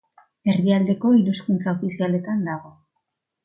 Herrialdeko hiru hizkuntza ofizialetan dago.